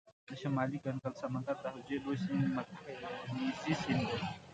د شمالي کنګل سمندر د حوزې لوی سیند مکنزي سیند دی.